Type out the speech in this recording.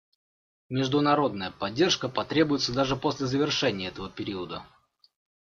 Международная поддержка потребуется даже после завершения этого периода.